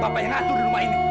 bapak yang atur di rumah ini